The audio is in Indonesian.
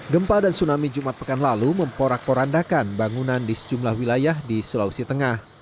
gempa dan tsunami jumat pekan lalu memporak porandakan bangunan di sejumlah wilayah di sulawesi tengah